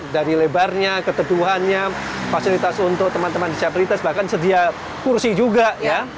dari lebarnya keteduhannya fasilitas untuk teman teman disabilitas bahkan sedia kursi juga ya